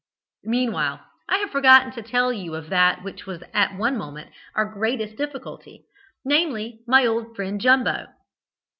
"Meanwhile, I have forgotten to tell you of that which was at one moment our great difficulty, namely, my old friend Jumbo.